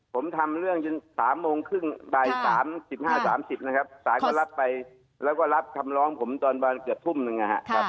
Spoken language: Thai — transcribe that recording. ผมทำเรื่องจน๓โมงครึ่งบ่าย๓๕๓๐นะครับสารก็รับไปแล้วก็รับคำร้องผมตอนประมาณเกือบทุ่มหนึ่งนะครับ